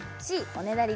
おねだり